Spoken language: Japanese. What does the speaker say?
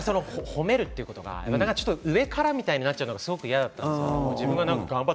褒めるということは上からみたいになっちゃうのがすごく嫌だったんですよ。